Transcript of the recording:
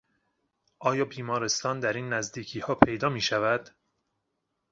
آیا بیمارستان در این نزدیکیها پیدا میشود؟